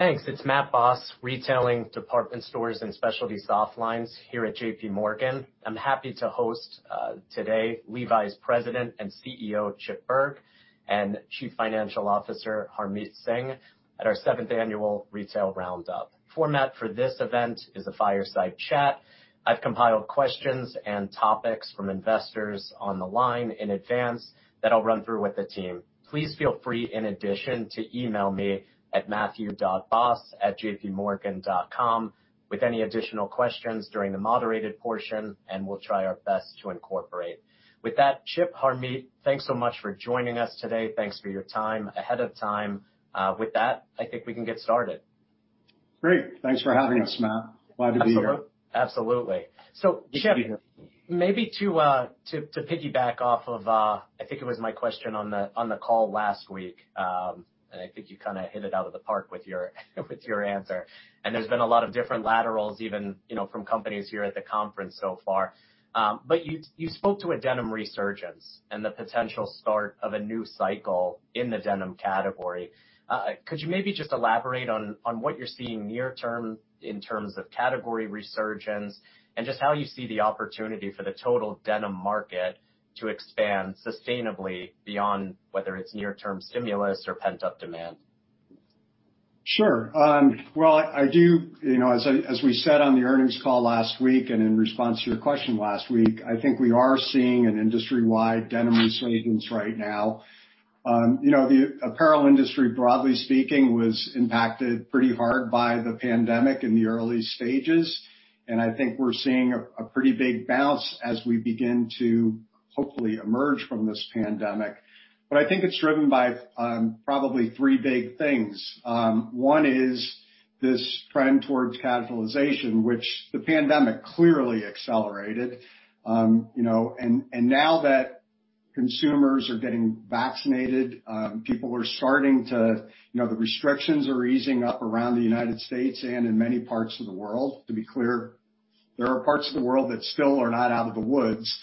Thanks. It's Matt Boss, Retailing, Department Stores and Specialties Softlines here at JPMorgan. I'm happy to host today Levi's President and CEO, Chip Bergh, and Chief Financial Officer, Harmit Singh, at our seventh annual Retail Round-Up. Format for this event is a fireside chat. I've compiled questions and topics from investors on the line in advance that I'll run through with the team. Please feel free, in addition, to email me at matthew.boss@jpmorgan.com with any additional questions during the moderated portion, and we'll try our best to incorporate. With that, Chip, Harmit, thanks so much for joining us today. Thanks for your time ahead of time. With that, I think we can get started. Great. Thanks for having us, Matt. Glad to be here. Absolutely. Chip, maybe to piggyback off of, I think it was my question on the call last week. I think you kind of hit it out of the park with your answer. There's been a lot of different laterals even from companies here at the conference so far. You spoke to a denim resurgence and the potential start of a new cycle in the denim category. Could you maybe just elaborate on what you're seeing near term in terms of category resurgence and just how you see the opportunity for the total denim market to expand sustainably beyond whether it's near-term stimulus or pent-up demand? Sure. Well, as we said on the earnings call last week and in response to your question last week, I think we are seeing an industry-wide denim resurgence right now. The apparel industry, broadly speaking, was impacted pretty hard by the pandemic in the early stages, and I think we're seeing a pretty big bounce as we begin to hopefully emerge from this pandemic. I think it's driven by probably three big things. One is this trend towards casualization, which the pandemic clearly accelerated. Now that consumers are getting vaccinated, the restrictions are easing up around the United States. and in many parts of the world. To be clear, there are parts of the world that still are not out of the woods.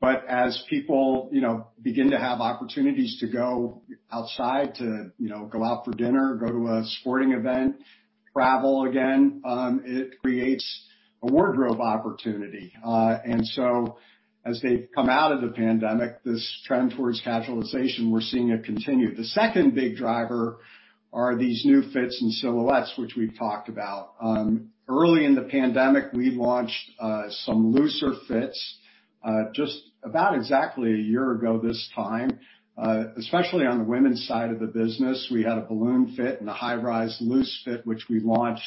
As people begin to have opportunities to go outside, to go out for dinner, go to a sporting event, travel again, it creates a wardrobe opportunity. As they come out of the pandemic, this trend towards casualization, we're seeing it continue. The second big driver are these new fits and silhouettes, which we've talked about. Early in the pandemic, we launched some looser fits. Just about exactly a year ago this time, especially on the women's side of the business, we had a balloon fit and a high-rise loose fit, which we launched.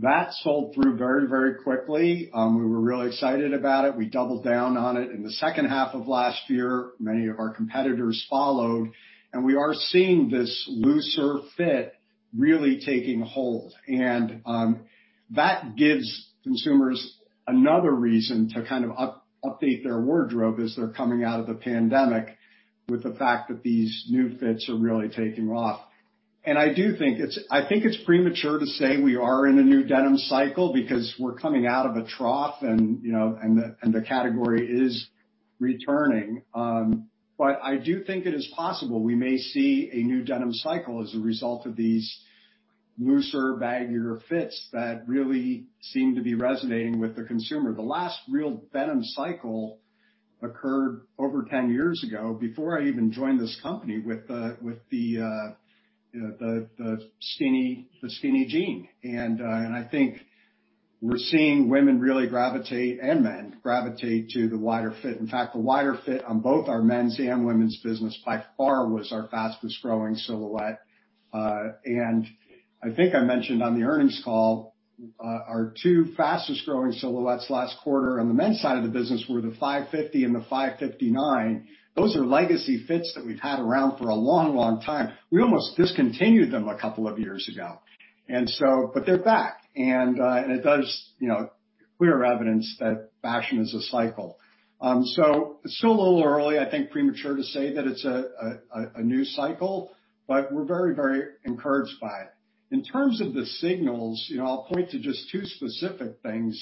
That sold through very quickly. We were really excited about it. We doubled down on it in the second half of last year. Many of our competitors followed, and we are seeing this looser fit really taking hold. That gives consumers another reason to update their wardrobe as they're coming out of the pandemic with the fact that these new fits are really taking off. I think it's premature to say we are in a new denim cycle because we're coming out of a trough and the category is returning. I do think it is possible we may see a new denim cycle as a result of these looser, baggier fits that really seem to be resonating with the consumer. The last real denim cycle occurred over 10 years ago, before I even joined this company, with the skinny jean. I think we're seeing women really gravitate, and men, gravitate to the wider fit. In fact, the wider fit on both our men's and women's business by far was our fastest-growing silhouette. I think I mentioned on the earnings call, our two fastest-growing silhouettes last quarter on the men's side of the business were the 550 and the 559. Those are legacy fits that we've had around for a long time. We almost discontinued them a couple of years ago. They're back, and it does clear evidence that fashion is a cycle. It's still a little early, I think premature to say that it's a new cycle, but we're very encouraged by it. In terms of the signals, I'll point to just two specific things.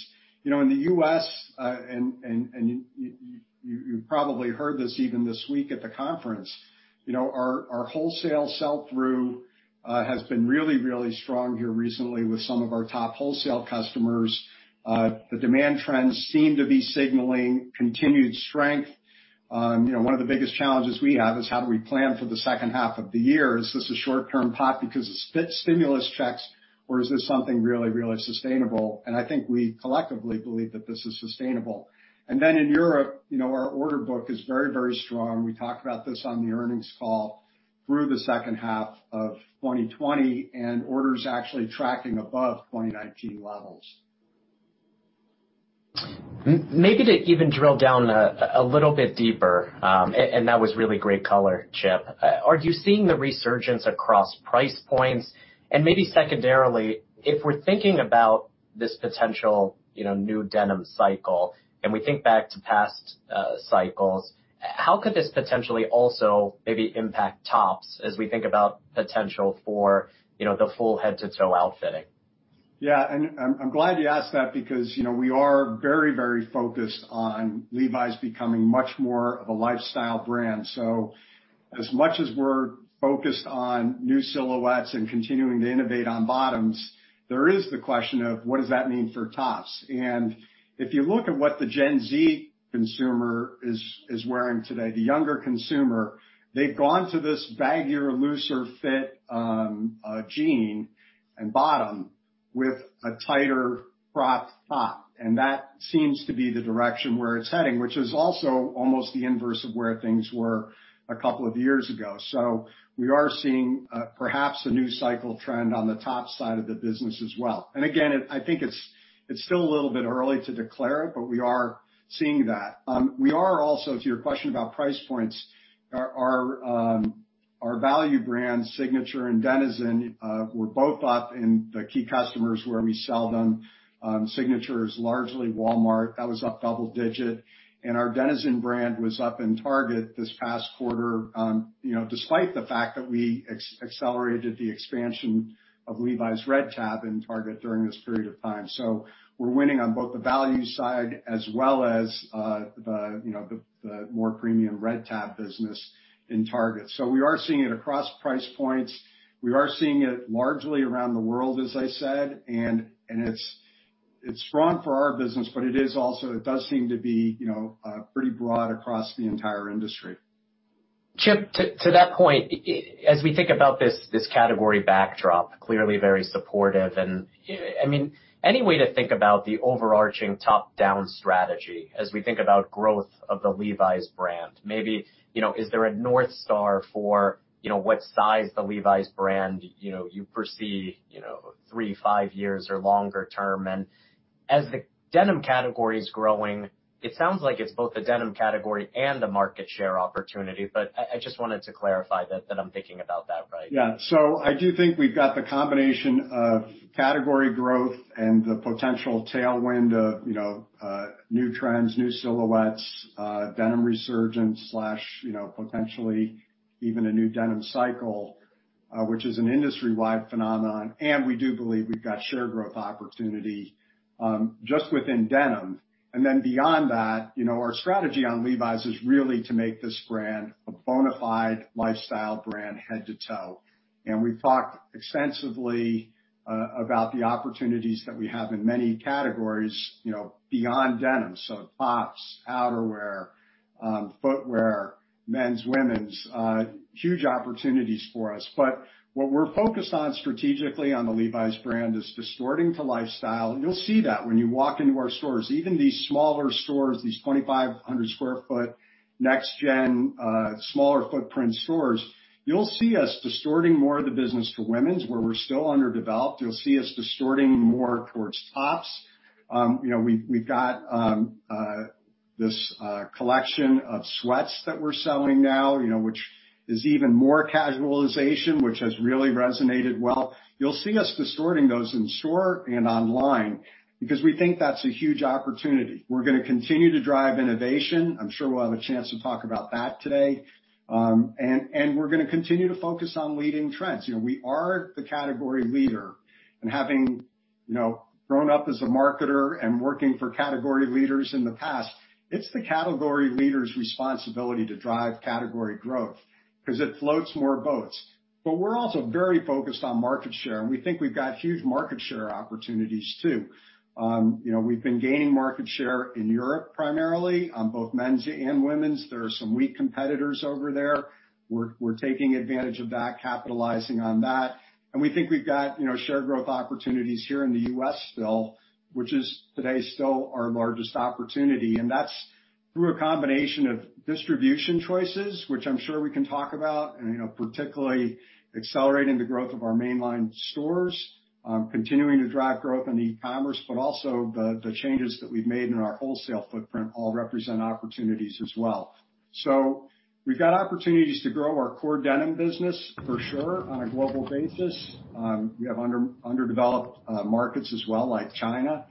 In the U.S., and you probably heard this even this week at the conference, our wholesale sell-through has been really strong here recently with some of our top wholesale customers. The demand trends seem to be signaling continued strength. One of the biggest challenges we have is how do we plan for the second half of the year? Is this a short-term pop because of stimulus checks, or is this something really sustainable? I think we collectively believe that this is sustainable. Then in Europe, our order book is very strong. We talked about this on the earnings call through the second half of 2020, orders actually tracking above 2019 levels. Maybe to even drill down a little bit deeper, and that was really great color, Chip. Are you seeing the resurgence across price points? Maybe secondarily, if we're thinking about this potential new denim cycle and we think back to past cycles, how could this potentially also maybe impact tops as we think about potential for the full head-to-toe outfitting? Yeah. I'm glad you asked that because we are very focused on Levi's becoming much more of a lifestyle brand. As much as we're focused on new silhouettes and continuing to innovate on bottoms, there is the question of what does that mean for tops? If you look at what the Gen Z consumer is wearing today, the younger consumer, they've gone to this baggier, looser fit jean and bottom with a tighter cropped top. That seems to be the direction where it's heading, which is also almost the inverse of where things were a couple of years ago. We are seeing perhaps a new cycle trend on the top side of the business as well. Again, I think it's still a little bit early to declare it, but we are seeing that. We are also, to your question about price points, our value brand Signature and Denizen were both up in the key customers where we sell them. Signature is largely Walmart. That was up double-digit. Our Denizen brand was up in Target this past quarter, despite the fact that we accelerated the expansion of Levi's Red Tab in Target during this period of time. We're winning on both the value side as well as the more premium Red Tab business in Target. We are seeing it across price points. We are seeing it largely around the world, as I said, and it's strong for our business, but it does seem to be pretty broad across the entire industry. Chip, to that point, as we think about this category backdrop, clearly very supportive, and any way to think about the overarching top-down strategy as we think about growth of the Levi's brand? Maybe, is there a north star for what size the Levi's brand you perceive three, five years or longer term? As the denim category is growing, it sounds like it's both a denim category and a market share opportunity. I just wanted to clarify that I'm thinking about that right. Yeah. I do think we've got the combination of category growth and the potential tailwind of new trends, new silhouettes, denim resurgence slash potentially even a new denim cycle, which is an industry-wide phenomenon. We do believe we've got share growth opportunity just within denim. Beyond that, our strategy on Levi's is really to make this brand a bonafide lifestyle brand head to toe. We've talked extensively about the opportunities that we have in many categories beyond denim. Tops, outerwear, footwear, men's, women's. Huge opportunities for us. What we're focused on strategically on the Levi's brand is distorting to lifestyle. You'll see that when you walk into our stores, even these smaller stores, these 2,500 sq ft NextGen, smaller footprint stores. You'll see us distorting more of the business to women's, where we're still underdeveloped. You'll see us distorting more towards tops. We've got this collection of sweats that we're selling now, which is even more casualization, which has really resonated well. You'll see us distorting those in store and online because we think that's a huge opportunity. We're going to continue to drive innovation. I'm sure we'll have a chance to talk about that today. We're going to continue to focus on leading trends. We are the category leader. Having grown up as a marketer and working for category leaders in the past, it's the category leader's responsibility to drive category growth because it floats more boats. We're also very focused on market share, and we think we've got huge market share opportunities, too. We've been gaining market share in Europe, primarily on both men's and women's. There are some weak competitors over there. We're taking advantage of that, capitalizing on that. We think we've got share growth opportunities here in the U.S. still, which is today still our largest opportunity. That's through a combination of distribution choices, which I'm sure we can talk about, and particularly accelerating the growth of our mainline stores, continuing to drive growth in e-commerce, but also the changes that we've made in our wholesale footprint all represent opportunities as well. We've got opportunities to grow our core denim business for sure on a global basis. We have underdeveloped markets as well, like China.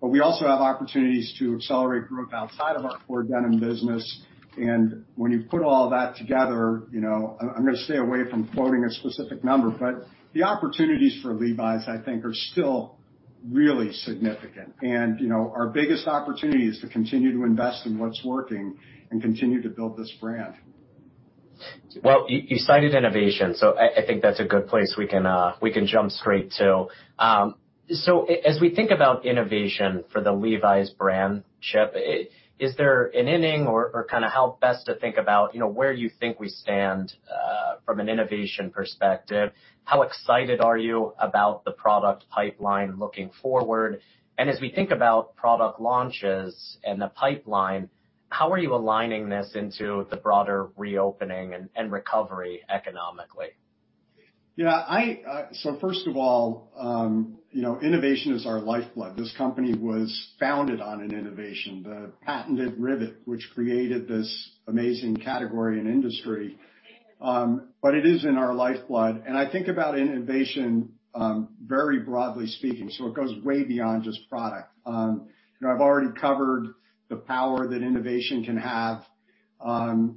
We also have opportunities to accelerate growth outside of our core denim business. When you put all that together, I'm going to stay away from quoting a specific number, but the opportunities for Levi's, I think, are still really significant. Our biggest opportunity is to continue to invest in what's working and continue to build this brand. Well, you cited innovation. I think that's a good place we can jump straight to. As we think about innovation for the Levi's brand, Chip, is there an inning or how best to think about where you think we stand from an innovation perspective? How excited are you about the product pipeline looking forward? As we think about product launches and the pipeline, how are you aligning this into the broader reopening and recovery economically? Yeah. First of all, innovation is our lifeblood. This company was founded on an innovation, the patented rivet, which created this amazing category and industry. It is in our lifeblood, and I think about innovation very broadly speaking. It goes way beyond just product. I've already covered the power that innovation can have when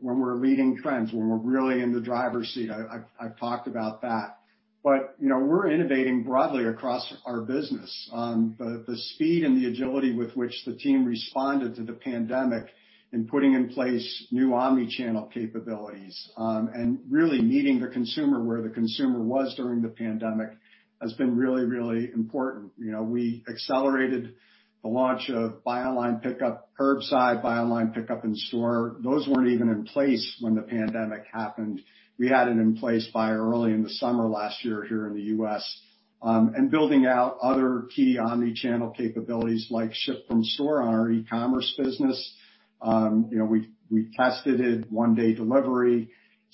we're leading trends, when we're really in the driver's seat. I've talked about that. We're innovating broadly across our business. The speed and the agility with which the team responded to the pandemic in putting in place new omni-channel capabilities, and really meeting the consumer where the consumer was during the pandemic, has been really, really important. We accelerated the launch of buy online, pickup curbside, buy online, pickup in store. Those weren't even in place when the pandemic happened. We had it in place by early in the summer last year here in the U.S., and building out other key omni-channel capabilities like ship from store on our e-commerce business. We tested it, one-day delivery.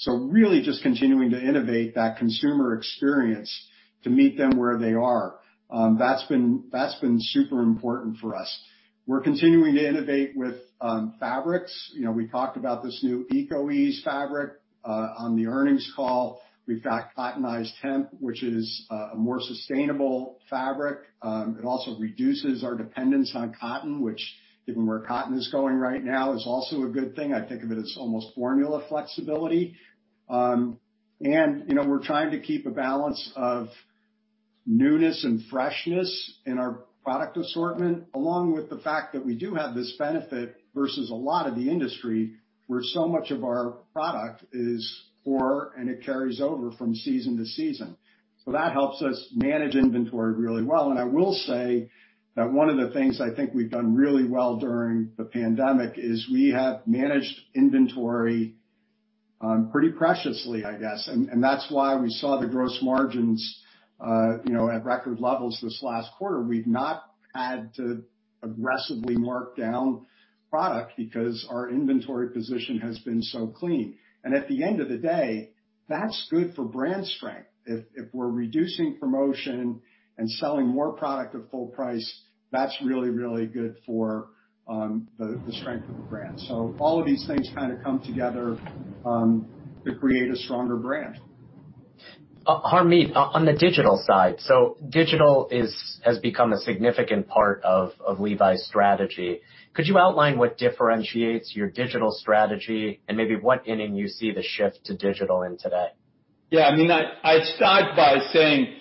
Really just continuing to innovate that consumer experience to meet them where they are. That's been super important for us. We're continuing to innovate with fabrics. We talked about this new Eco Ease fabric on the earnings call. We've got Cottonized Hemp, which is a more sustainable fabric. It also reduces our dependence on cotton, which given where cotton is going right now, is also a good thing. I think of it as almost formula flexibility. We're trying to keep a balance of newness and freshness in our product assortment, along with the fact that we do have this benefit versus a lot of the industry where so much of our product is for, and it carries over from season to season. That helps us manage inventory really well. I will say that one of the things I think we've done really well during the pandemic is we have managed inventory pretty preciously, I guess. That's why we saw the gross margins at record levels this last quarter. We've not had to aggressively mark down product because our inventory position has been so clean. At the end of the day, that's good for brand strength. If we're reducing promotion and selling more product at full price, that's really, really good for the strength of the brand. All of these things kind of come together to create a stronger brand. Harmit, on the digital side. Digital has become a significant part of Levi's strategy. Could you outline what differentiates your digital strategy and maybe what inning you see the shift to digital in today? I start by saying,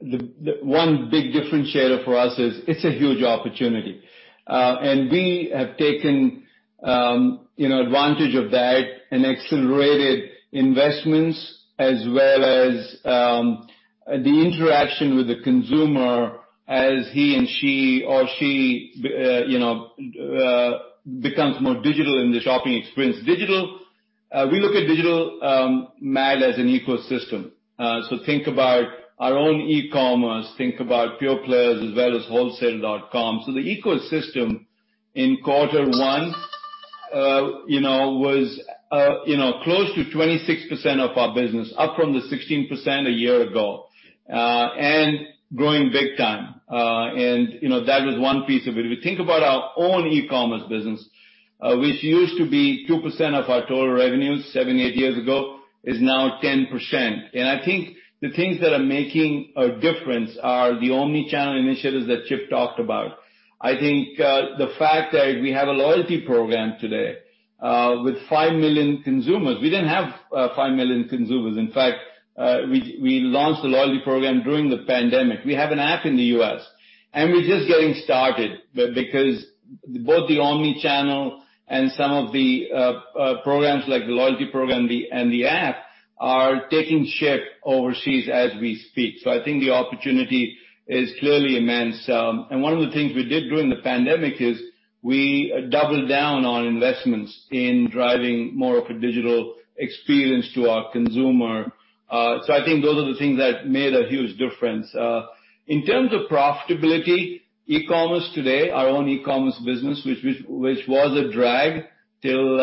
one big differentiator for us is it's a huge opportunity. We have taken advantage of that and accelerated investments as well as the interaction with the consumer as he and she or she becomes more digital in the shopping experience. We look at digital, Matt, as an ecosystem. Think about our own e-commerce, think about pure players as well as wholesale.com. The ecosystem in quarter one was close to 26% of our business, up from the 16% a year ago, and growing big time. That was one piece of it. If you think about our own e-commerce business, which used to be 2% of our total revenue seven, eight years ago, is now 10%. I think the things that are making a difference are the omni-channel initiatives that Chip talked about. I think the fact that we have a loyalty program today, with 5 million consumers. We didn't have 5 million consumers. In fact, we launched the loyalty program during the pandemic. We have an app in the U.S., and we're just getting started because both the omni-channel and some of the programs like the loyalty program and the app are taking shape overseas as we speak. I think the opportunity is clearly immense. One of the things we did during the pandemic is we doubled down on investments in driving more of a digital experience to our consumer. I think those are the things that made a huge difference. In terms of profitability, e-commerce today, our own e-commerce business, which was a drag till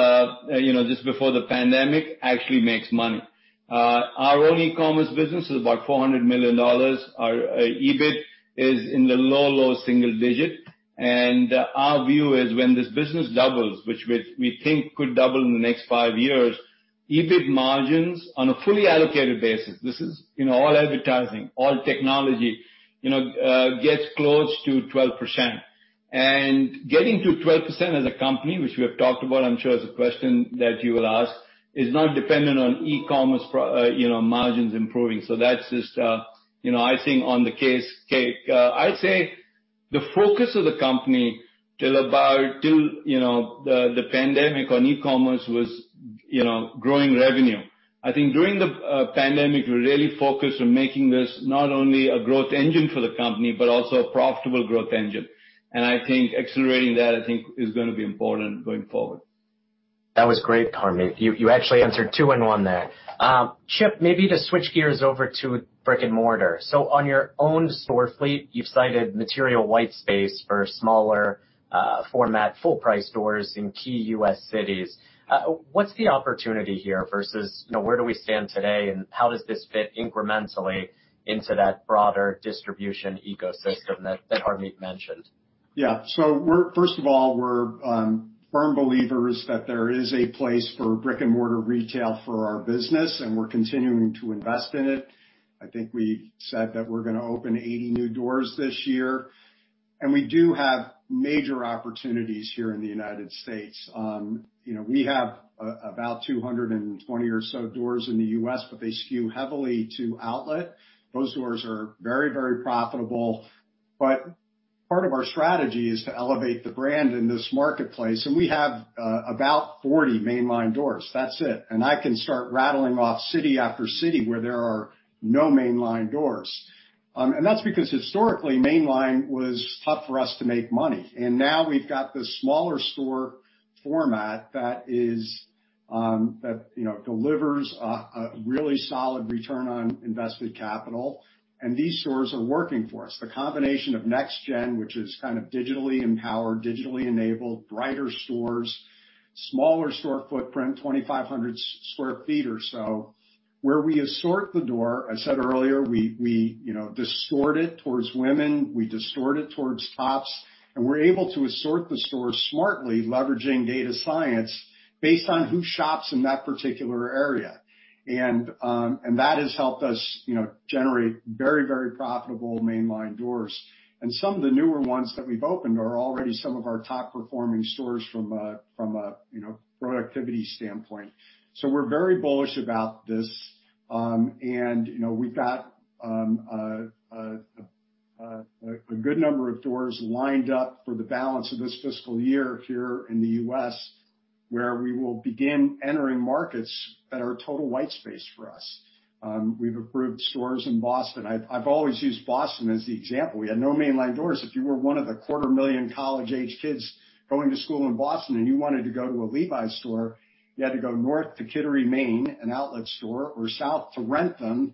just before the pandemic, actually makes money. Our own e-commerce business is about $400 million. Our EBIT is in the low low single-digit. Our view is when this business doubles, which we think could double in the next five years, EBIT margins on a fully allocated basis, this is all advertising, all technology, gets close to 12%. Getting to 12% as a company, which we have talked about, I'm sure is a question that you will ask, is not dependent on e-commerce margins improving. That's just icing on the case, cake. I'd say the focus of the company till the pandemic on e-commerce was growing revenue. I think during the pandemic, we really focused on making this not only a growth engine for the company, but also a profitable growth engine. I think accelerating that is going to be important going forward. That was great, Harmit. You actually answered two in one there. Chip, maybe to switch gears over to brick-and-mortar. On your own store fleet, you've cited material white space for smaller format, full-price stores in key U.S. cities. What's the opportunity here versus where do we stand today, and how does this fit incrementally into that broader distribution ecosystem that Harmit mentioned? First of all, we're firm believers that there is a place for brick-and-mortar retail for our business, and we're continuing to invest in it. I think we said that we're going to open 80 new doors this year, and we do have major opportunities here in the U.S. We have about 220 or so doors in the U.S., but they skew heavily to outlet. Those doors are very profitable, but part of our strategy is to elevate the brand in this marketplace, and we have about 40 mainline doors. That's it. I can start rattling off city after city where there are no mainline doors. That's because historically, mainline was tough for us to make money. Now we've got this smaller store format that delivers a really solid return on invested capital, and these stores are working for us. The combination of NextGen, which is kind of digitally empowered, digitally enabled, brighter stores, smaller store footprint, 2,500 sq ft or so, where we assort the door. I said earlier, we distort it towards women, we distort it towards tops, and we're able to assort the store smartly, leveraging data science based on who shops in that particular area. That has helped us generate very profitable mainline doors. Some of the newer ones that we've opened are already some of our top-performing stores from a productivity standpoint. We're very bullish about this. We've got a good number of doors lined up for the balance of this fiscal year here in the U.S., where we will begin entering markets that are total white space for us. We've approved stores in Boston. I've always used Boston as the example. We had no mainline doors. If you were one of the 250,000 college-aged kids going to school in Boston and you wanted to go to a Levi's store, you had to go north to Kittery, Maine, an outlet store, or south to Wrentham,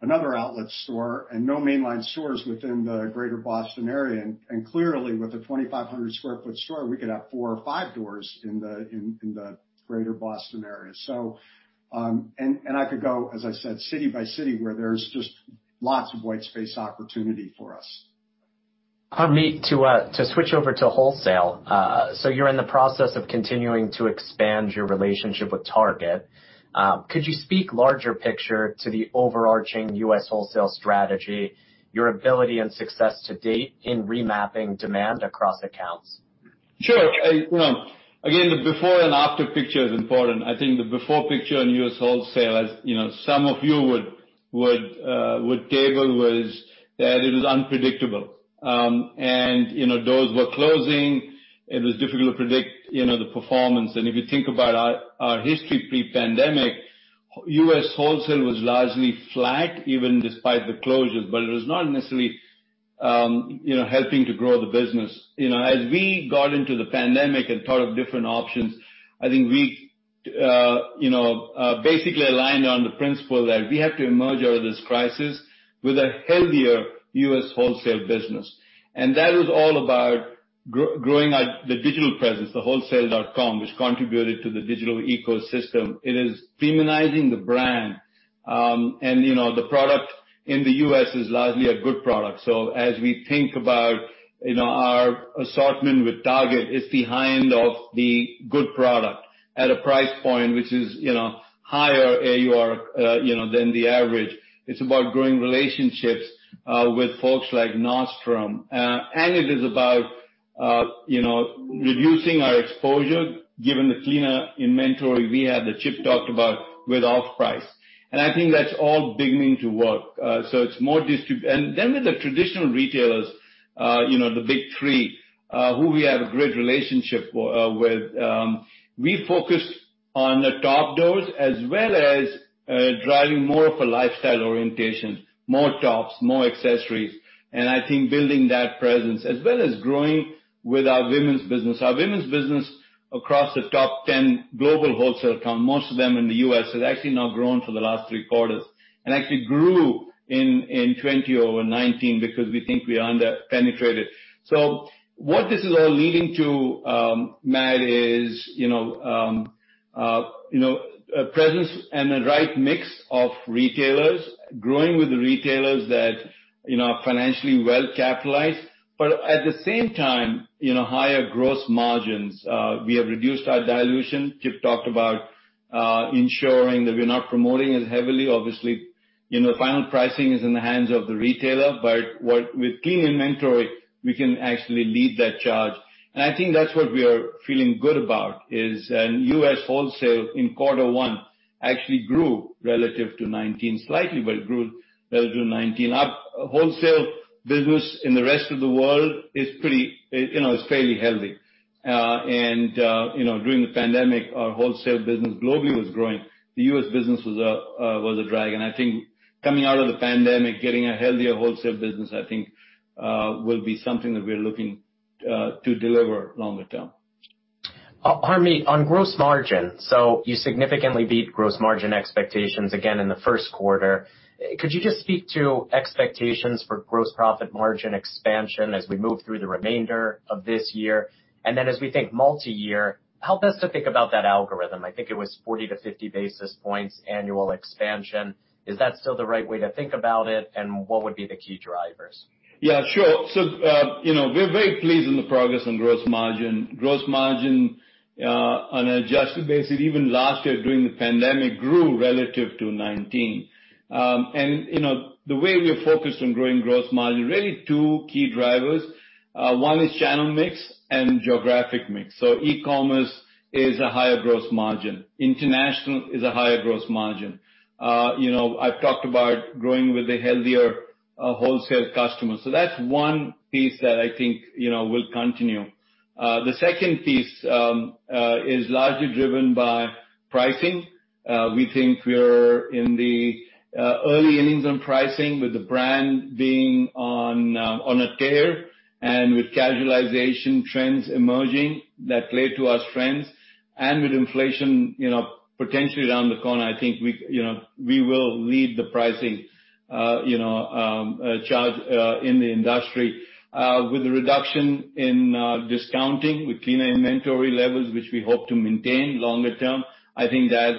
another outlet store, and no mainline stores within the greater Boston area. Clearly, with a 2,500 sq ft store, we could have four or five doors in the greater Boston area. I could go, as I said, city by city, where there's just lots of white space opportunity for us. Harmit, to switch over to wholesale. You're in the process of continuing to expand your relationship with Target. Could you speak larger picture to the overarching U.S. wholesale strategy, your ability and success to date in remapping demand across accounts? Sure. Again, the before and after picture is important. I think the before picture in U.S. wholesale, as some of you would table, was that it was unpredictable. Doors were closing. It was difficult to predict the performance. If you think about our history pre-pandemic, U.S. wholesale was largely flat, even despite the closures, but it was not necessarily helping to grow the business. As we got into the pandemic and thought of different options, I think we basically aligned on the principle that we have to emerge out of this crisis with a healthier U.S. wholesale business. That was all about growing out the digital presence, the wholesale.com, which contributed to the digital ecosystem. It is feminizing the brand. The product in the U.S. is largely a good product. As we think about our assortment with Target, it's behind of the good product at a price point which is higher AUR than the average. It's about growing relationships with folks like Nordstrom. It is about reducing our exposure given the cleaner inventory we had that Chip talked about with off-price. I think that's all beginning to work. With the traditional retailers, the big three, who we have a great relationship with, we focus on the top doors as well as driving more of a lifestyle orientation, more tops, more accessories. I think building that presence as well as growing with our women's business. Our women's business across the top 10 global wholesale account, most of them in the U.S., has actually now grown for the last three quarters, and actually grew in 2020 over 2019 because we think we are under-penetrated. What this is all leading to, Matt, is a presence and a right mix of retailers, growing with retailers that are financially well-capitalized, but at the same time, higher gross margins. We have reduced our dilution. Chip talked about ensuring that we're not promoting as heavily. Obviously, final pricing is in the hands of the retailer, but with clean inventory, we can actually lead that charge. I think that's what we are feeling good about is, U.S. wholesale in quarter one actually grew relative to 2019 slightly, but it grew relative to 2019. Our wholesale business in the rest of the world is fairly healthy. During the pandemic, our wholesale business globally was growing. The U.S. business was a drag. I think coming out of the pandemic, getting a healthier wholesale business, I think, will be something that we are looking to deliver longer term. Harmit, on gross margin. You significantly beat gross margin expectations again in the first quarter. Could you just speak to expectations for gross profit margin expansion as we move through the remainder of this year? As we think multi-year, help us to think about that algorithm. I think it was 40-50 basis points annual expansion. Is that still the right way to think about it? What would be the key drivers? Yeah, sure. We're very pleased in the progress on gross margin. Gross margin on an adjusted basis, even last year during the pandemic, grew relative to 2019. The way we are focused on growing gross margin, really two key drivers. One is channel mix and geographic mix. E-commerce is a higher gross margin. International is a higher gross margin. I've talked about growing with a healthier wholesale customer. That's one piece that I think will continue. The second piece is largely driven by pricing. We think we're in the early innings on pricing, with the brand being on a tear and with casualization trends emerging that play to our trends. With inflation potentially around the corner, I think we will lead the pricing charge in the industry. With the reduction in discounting, with cleaner inventory levels, which we hope to maintain longer term, I think that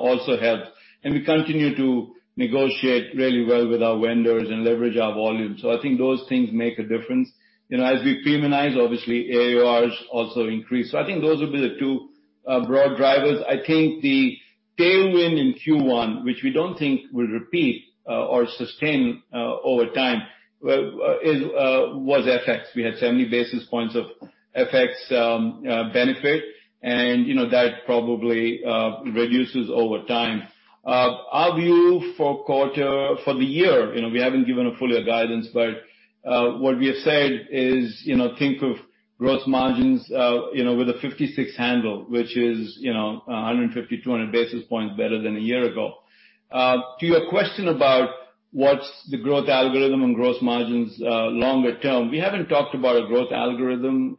also helps. We continue to negotiate really well with our vendors and leverage our volume. I think those things make a difference. As we premiumize, obviously AURs also increase. I think those will be the two broad drivers. I think the tailwind in Q1, which we don't think will repeat or sustain over time, was FX. We had 70 basis points of FX benefit, and that probably reduces over time. Our view for the year, we haven't given a full-year guidance, but what we have said is, think of gross margins with a 56 handle. Which is 150, 200 basis points better than a year ago. To your question about what's the growth algorithm and gross margins longer term, we haven't talked about a growth algorithm,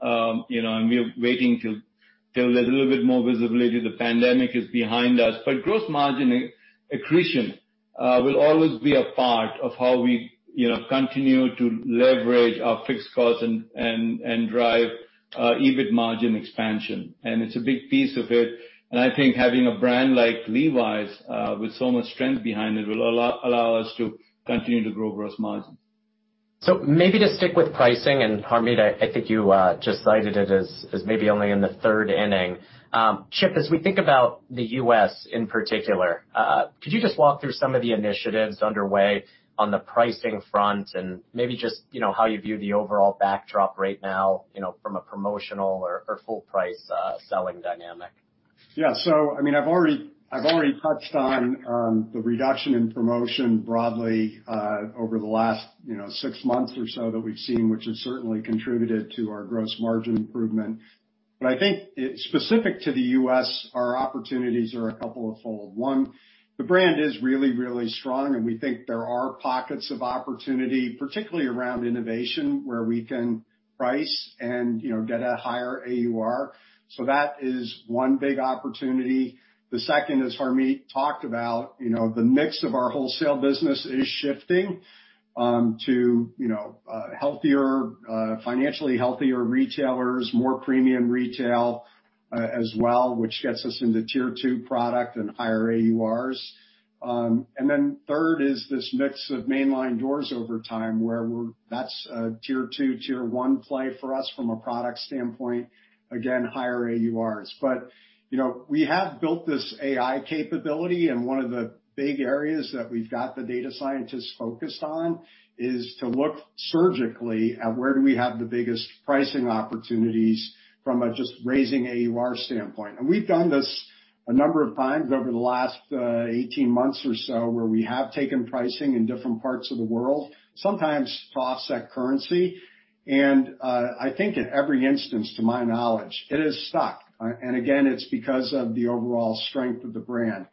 we are waiting till there's a little bit more visibility, the pandemic is behind us. Gross margin accretion will always be a part of how we continue to leverage our fixed costs and drive EBIT margin expansion, it's a big piece of it. I think having a brand like Levi's with so much strength behind it will allow us to continue to grow gross margin. Maybe to stick with pricing, Harmit, I think you just cited it as maybe only in the third inning. Chip, as we think about the U.S. in particular, could you just walk through some of the initiatives underway on the pricing front and maybe just how you view the overall backdrop right now from a promotional or full price selling dynamic? I've already touched on the reduction in promotion broadly over the last six months or so that we've seen, which has certainly contributed to our gross margin improvement. I think specific to the U.S., our opportunities are a couple of fold. One, the brand is really, really strong, and we think there are pockets of opportunity, particularly around innovation, where we can price and get a higher AUR. That is one big opportunity. The second, as Harmit talked about, the mix of our wholesale business is shifting to financially healthier retailers, more premium retail as well, which gets us into tier two product and higher AURs. Third is this mix of mainline doors over time, where that's a tier two, tier one play for us from a product standpoint. Again, higher AURs. We have built this AI capability, and one of the big areas that we've got the data scientists focused on is to look surgically at where do we have the biggest pricing opportunities from a just raising AUR standpoint. We've done this a number of times over the last 18 months or so, where we have taken pricing in different parts of the world, sometimes to offset currency. I think in every instance, to my knowledge, it has stuck. Again, it's because of the overall strength of the brand.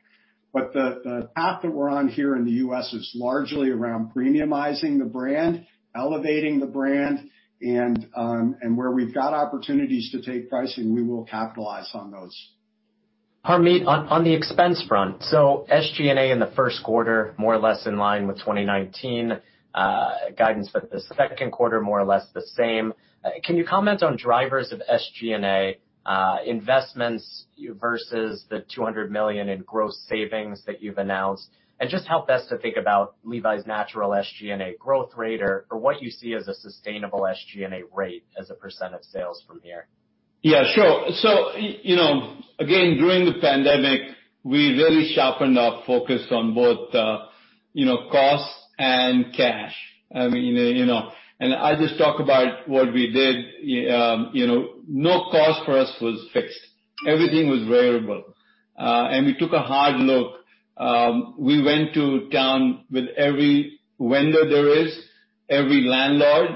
The path that we're on here in the U.S. is largely around premiumizing the brand, elevating the brand, and where we've got opportunities to take pricing, we will capitalize on those. Harmit, on the expense front. SG&A in the first quarter, more or less in line with 2019. Guidance for the second quarter, more or less the same. Can you comment on drivers of SG&A investments versus the $200 million in gross savings that you've announced, and just help us to think about Levi's natural SG&A growth rate or what you see as a sustainable SG&A rate as a percent of sales from here? Yeah, sure. Again, during the pandemic, we really sharpened our focus on both costs and cash. I just talk about what we did. No cost for us was fixed. Everything was variable. We took a hard look. We went to town with every vendor there is, every landlord.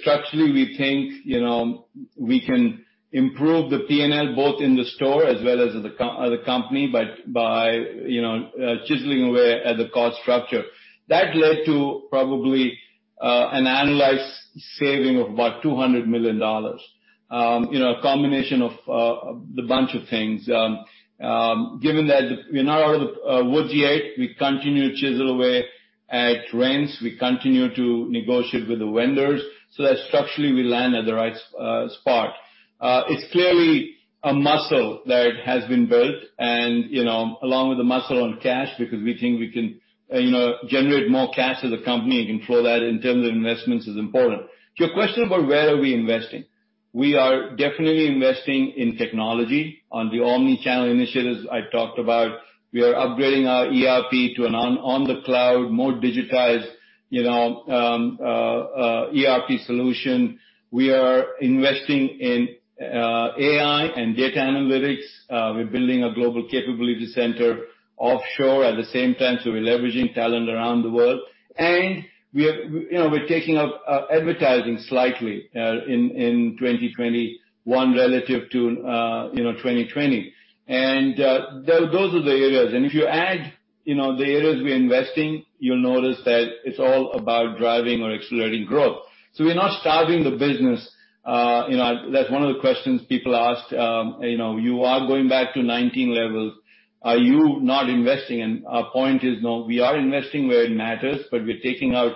Structurally, we think we can improve the P&L both in the store as well as the company, but by chiseling away at the cost structure. That led to probably an annualized saving of about $200 million. A combination of the bunch of things. Given that we're not out of the woods yet, we continue to chisel away at rents. We continue to negotiate with the vendors so that structurally we land at the right spot. It's clearly a muscle that has been built and along with the muscle on cash, because we think we can generate more cash as a company and can flow that in terms of investments is important. To your question about where are we investing, we are definitely investing in technology on the omnichannel initiatives I talked about. We are upgrading our ERP to an on-the-cloud, more digitized, ERP solution. We are investing in AI and data analytics. We're building a global capability center offshore at the same time, so we're leveraging talent around the world. We're taking up advertising slightly, in 2021 relative to 2020. Those are the areas. If you add the areas we are investing, you'll notice that it's all about driving or accelerating growth. We're not starving the business. That's one of the questions people ask. You are going back to 2019 levels. Are you not investing? Our point is, no, we are investing where it matters, but we're taking out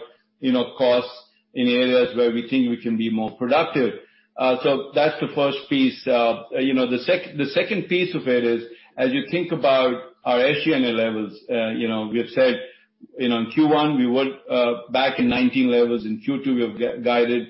costs in areas where we think we can be more productive. That's the first piece. The second piece of it is, as you think about our SG&A levels, we have said in Q1 we were back in 2019 levels. In Q2, we have guided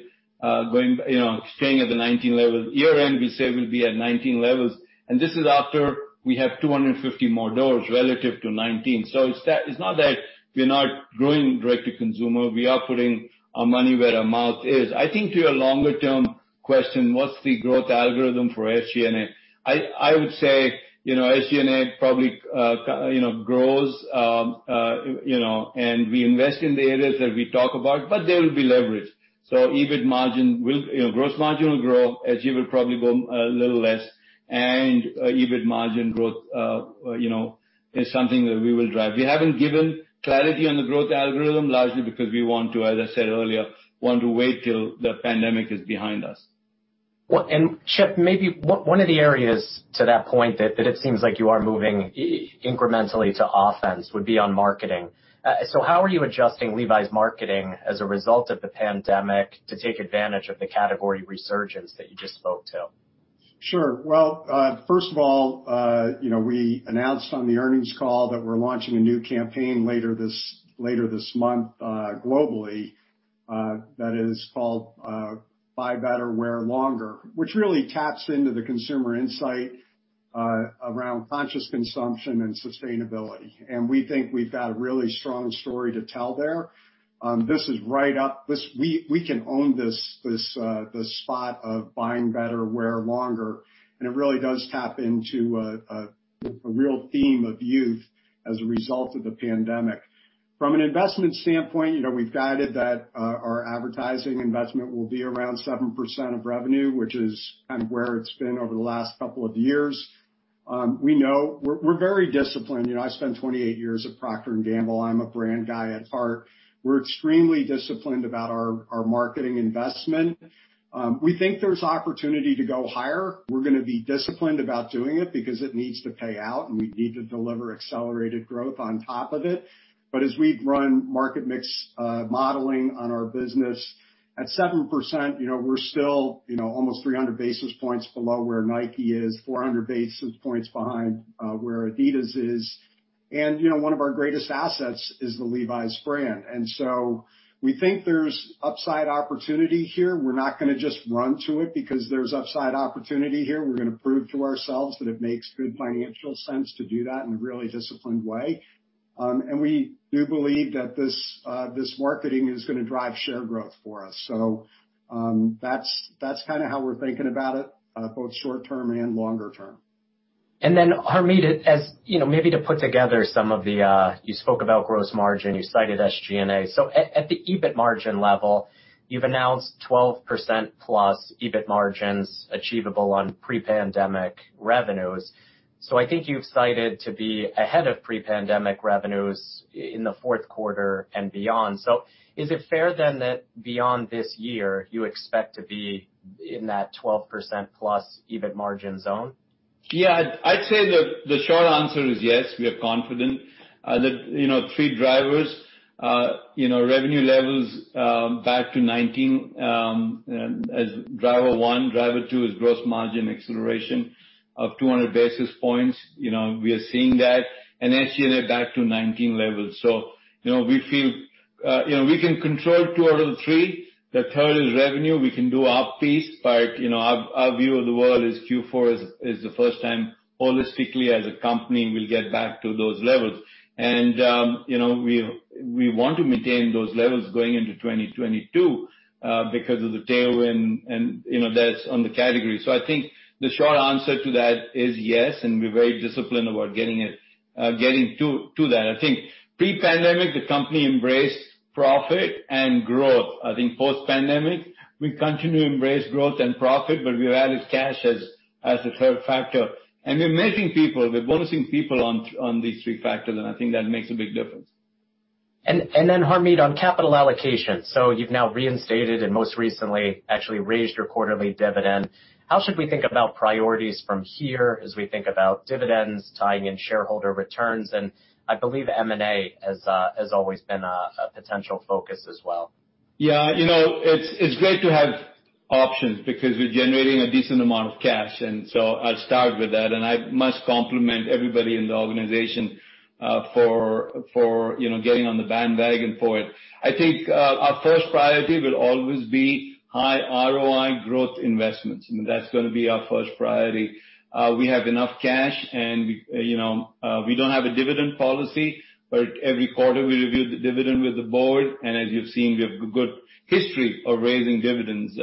staying at the 2019 levels. Year-end, we say we'll be at 2019 levels, and this is after we have 250 more doors relative to 2019. It's not that we're not growing direct to consumer. We are putting our money where our mouth is. I think to your longer-term question, what's the growth algorithm for SG&A? I would say, SG&A probably grows, and we invest in the areas that we talk about, but there will be leverage. Gross margin will grow, SG&A will probably grow a little less, and EBIT margin growth is something that we will drive. We haven't given clarity on the growth algorithm, largely because we want to, as I said earlier, want to wait till the pandemic is behind us. Well, Chip, maybe one of the areas to that point that it seems like you are moving incrementally to offense would be on marketing. How are you adjusting Levi's marketing as a result of the pandemic to take advantage of the category resurgence that you just spoke to? Sure. Well, first of all, we announced on the earnings call that we're launching a new campaign later this month globally, that is called Buy Better, Wear Longer, which really taps into the consumer insight around conscious consumption and sustainability. We think we've got a really strong story to tell there. We can own this spot of buying better, wear longer, and it really does tap into a real theme of youth as a result of the pandemic. From an investment standpoint, we've guided that our advertising investment will be around 7% of revenue, which is kind of where it's been over the last couple of years. We're very disciplined. I spent 28 years at Procter & Gamble. I'm a brand guy at heart. We're extremely disciplined about our marketing investment. We think there's opportunity to go higher. We're going to be disciplined about doing it because it needs to pay out, and we need to deliver accelerated growth on top of it. As we run market mix modeling on our business, at 7%, we're still almost 300 basis points below where NIKE is, 400 basis points behind where adidas is. One of our greatest assets is the Levi's brand. We think there's upside opportunity here. We're not going to just run to it because there's upside opportunity here. We're going to prove to ourselves that it makes good financial sense to do that in a really disciplined way. We do believe that this marketing is going to drive share growth for us. That's how we're thinking about it, both short term and longer term. Harmit, maybe to put together. You spoke about gross margin, you cited SG&A. At the EBIT margin level, you've announced 12%+ EBIT margins achievable on pre-pandemic revenues. I think you've cited to be ahead of pre-pandemic revenues in the fourth quarter and beyond. Is it fair then that beyond this year, you expect to be in that 12%+ EBIT margin zone? I'd say the short answer is yes, we are confident. The three drivers, revenue levels back to 2019, as driver one. Driver two is gross margin acceleration of 200 basis points. We are seeing that. SG&A back to 2019 levels. We can control two out of the three. The third is revenue. We can do our piece, but our view of the world is Q4 is the first time holistically as a company we'll get back to those levels. We want to maintain those levels going into 2022, because of the tailwind, and that's on the category. I think the short answer to that is yes, and we're very disciplined about getting to that. I think pre-pandemic, the company embraced profit and growth. I think post-pandemic, we continue to embrace growth and profit, but we added cash as the third factor. We're measuring people, we're bonusing people on these three factors, and I think that makes a big difference. Harmit, on capital allocation. You've now reinstated and most recently actually raised your quarterly dividend. How should we think about priorities from here as we think about dividends tying in shareholder returns? I believe M&A has always been a potential focus as well. Yeah. It's great to have options because we're generating a decent amount of cash. I'll start with that, and I must compliment everybody in the organization for getting on the bandwagon for it. I think our first priority will always be high ROI growth investments. I mean, that's going to be our first priority. We have enough cash and we don't have a dividend policy, but every quarter, we review the dividend with the board. As you've seen, we have a good history of raising dividends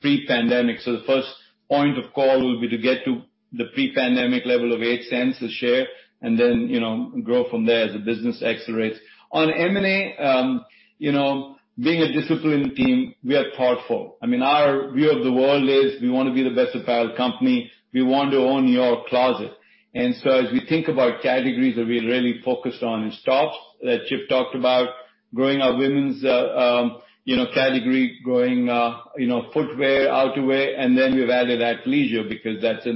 pre-pandemic. The first point of call will be to get to the pre-pandemic level of $0.08 a share and then grow from there as the business accelerates. On M&A, being a disciplined team, we are thoughtful. I mean, our view of the world is we want to be the best apparel company. We want to own your closet. As we think about categories that we are really focused on in [tops] that Chip talked about, growing our women's category, growing footwear, outerwear, and then we've added athleisure because that's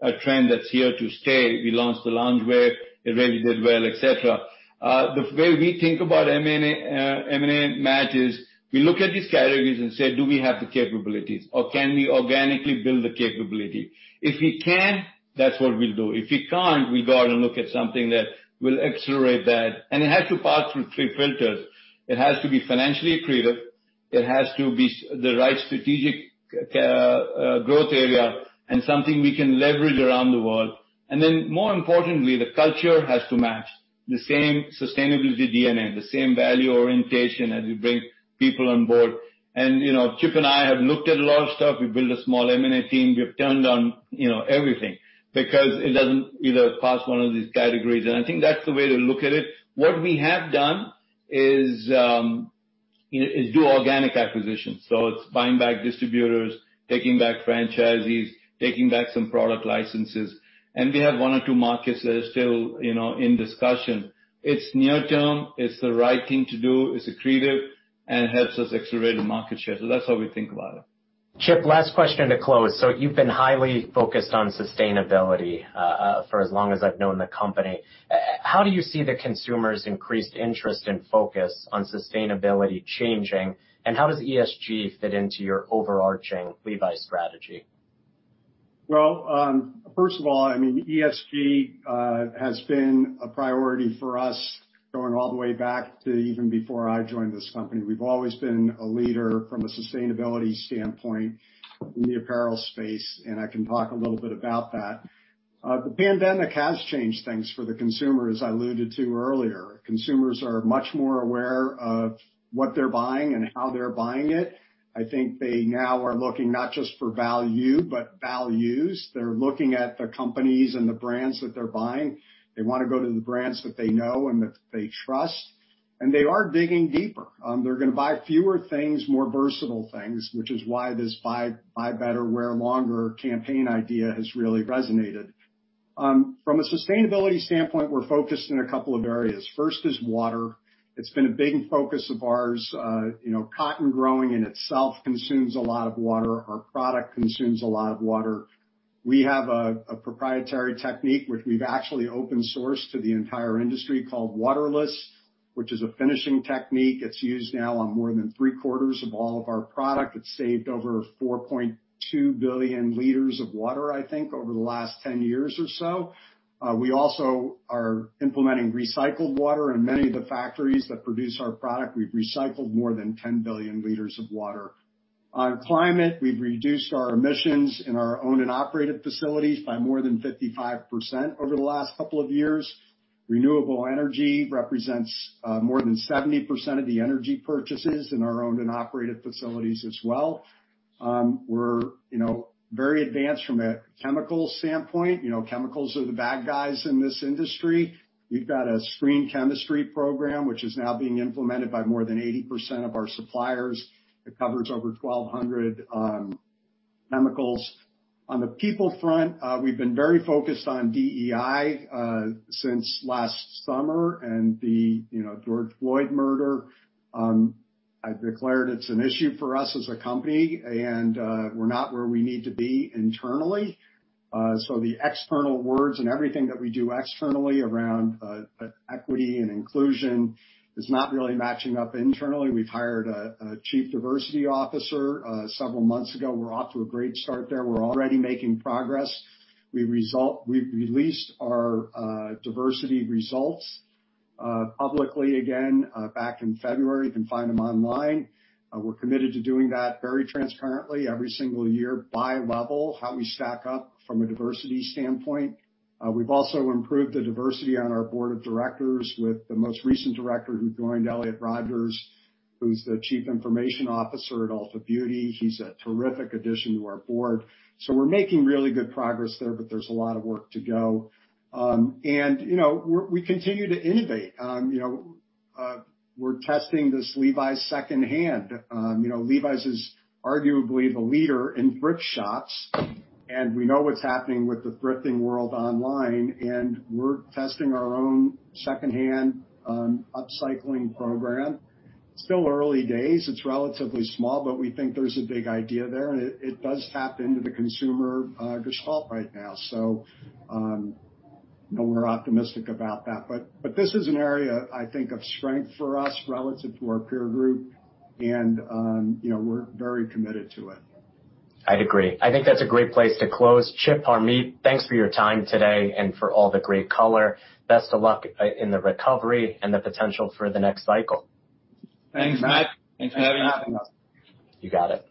a trend that's here to stay. We launched the loungewear. It really did well, et cetera. The way we think about M&A match is we look at these categories and say, "Do we have the capabilities or can we organically build the capability?" If we can, that's what we'll do. If we can't, we go out and look at something that will accelerate that, and it has to pass through three filters. It has to be financially accretive. It has to be the right strategic growth area and something we can leverage around the world. More importantly, the culture has to match. The same sustainability DNA, the same value orientation as we bring people on board. Chip and I have looked at a lot of stuff. We built a small M&A team. We have turned down everything because it doesn't either pass one of these categories, and I think that's the way to look at it. What we have done is do organic acquisitions. It's buying back distributors, taking back franchisees, taking back some product licenses, and we have one or two markets that are still in discussion. It's near term. It's the right thing to do. It's accretive, and it helps us accelerate the market share. That's how we think about it. Chip, last question to close. You've been highly focused on sustainability for as long as I've known the company. How do you see the consumer's increased interest and focus on sustainability changing, and how does ESG fit into your overarching Levi's strategy? First of all, I mean, ESG has been a priority for us going all the way back to even before I joined this company. We've always been a leader from a sustainability standpoint in the apparel space, and I can talk a little bit about that. The pandemic has changed things for the consumer, as I alluded to earlier. Consumers are much more aware of what they're buying and how they're buying it. I think they now are looking not just for value, but values. They're looking at the companies and the brands that they're buying. They want to go to the brands that they know and that they trust, and they are digging deeper. They're going to buy fewer things, more versatile things, which is why this Buy Better, Wear Longer campaign idea has really resonated. From a sustainability standpoint, we're focused in a couple of areas. First is water. It's been a big focus of ours. Cotton growing in itself consumes a lot of water. Our product consumes a lot of water. We have a proprietary technique, which we've actually open sourced to the entire industry called Water<Less, which is a finishing technique. It's used now on more than three-quarters of all of our product. It's saved over 4.2 billion liters of water, I think, over the last 10 years or so. We also are implementing recycled water in many of the factories that produce our product. We've recycled more than 10 billion liters of water. On climate, we've reduced our emissions in our own and operated facilities by more than 55% over the last couple of years. Renewable energy represents more than 70% of the energy purchases in our owned and operated facilities as well. We're very advanced from a chemical standpoint. Chemicals are the bad guys in this industry. We've got a Screened Chemistry program, which is now being implemented by more than 80% of our suppliers. It covers over 1,200 chemicals. On the people front, we've been very focused on DEI since last summer and the George Floyd murder. I've declared it's an issue for us as a company, we're not where we need to be internally. The external words and everything that we do externally around equity and inclusion is not really matching up internally. We've hired a Chief Diversity Officer several months ago. We're off to a great start there. We're already making progress. We released our diversity results publicly again back in February. You can find them online. We're committed to doing that very transparently every single year by level, how we stack up from a diversity standpoint. We've also improved the diversity on our board of directors with the most recent director who joined, Elliott Rodgers, who's the Chief Information Officer at Ulta Beauty. He's a terrific addition to our board. We're making really good progress there, but there's a lot of work to go. We continue to innovate. We're testing this Levi's SecondHand. Levi's is arguably the leader in thrift shops, and we know what's happening with the thrifting world online, and we're testing our own secondhand upcycling program. Still early days. It's relatively small, but we think there's a big idea there, and it does tap into the consumer gestalt right now. We're optimistic about that. This is an area, I think, of strength for us relative to our peer group and we're very committed to it. I'd agree. I think that's a great place to close. Chip, Harmit, thanks for your time today and for all the great color. Best of luck in the recovery and the potential for the next cycle. Thanks, Matt. Thanks for having us. You got it.